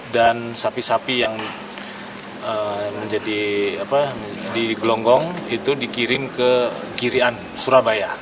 dan sapi sapi yang menjadi digelonggong itu dikirim ke kirian surabaya